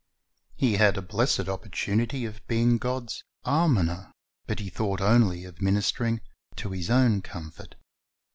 He had a blessed opportunity of being God's almoner, but he thought only of ministering to his own comfort.